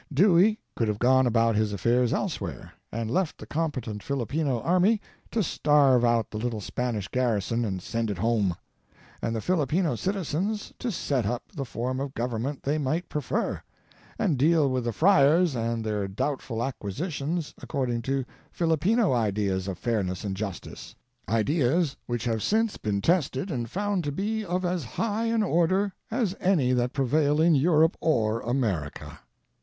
Dewey could have gone about his affairs elsewhere, and left the competent Filipino army to starve out the little Spanish garrison and send it home, and the Filipino citizens to set up the form of government they might prefer, and deal with the friars and their doubtful acquisitions according to Filipino ideas of fairness and justice — ideas which have since been tested and found to be of as high an order as any tha t prevail in Europe or America.